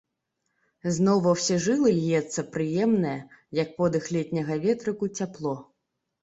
Зноў ва ўсе жылы льецца прыемнае, як подых летняга ветрыку, цяпло.